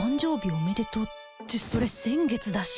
おめでとうってそれ先月だし